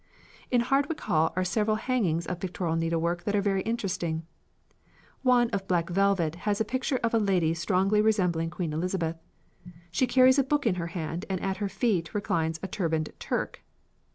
In Hardwick Hall are several hangings of pictorial needlework that are very interesting. One of black velvet has a picture of a lady strongly resembling Queen Elizabeth. She carries a book in her hand and at her feet reclines a turbaned Turk.